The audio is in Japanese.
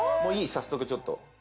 早速ちょっと。